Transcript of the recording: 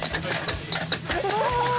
すごい！